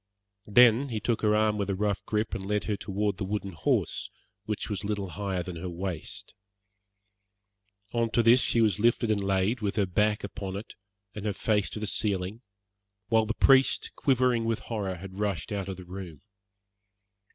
Then he took her arm with a rough grip and led her toward the wooden horse, which was little higher than her waist. On to this she was lifted and laid, with her back upon it, and her face to the ceiling, while the priest, quivering with horror, had rushed out of the room.